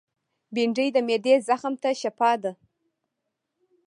بېنډۍ د معدې زخم ته شفاء ده